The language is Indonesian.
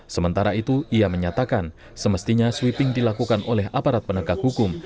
sementara itu ia menyatakan semestinya sweeping dilakukan oleh aparat penegak hukum